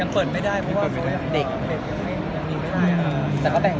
เปิดไม่ได้เพราะเธอยังเด็ก